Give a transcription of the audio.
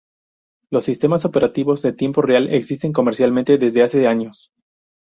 Los sistemas operativos de tiempo real existen comercialmente desde hace años.